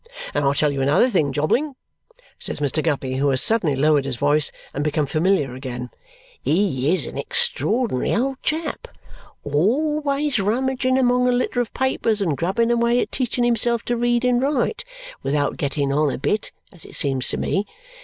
And I tell you another thing, Jobling," says Mr. Guppy, who has suddenly lowered his voice and become familiar again, "he's an extraordinary old chap always rummaging among a litter of papers and grubbing away at teaching himself to read and write, without getting on a bit, as it seems to me.